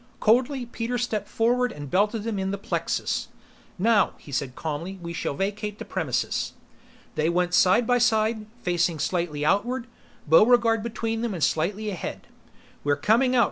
Coldly, Peter stepped forward and belted him in the plexus. "Now," he said calmly, "we shall vacate the premises!" They went side by side, facing slightly outward, Buregarde between them and slightly ahead. "We're coming out!"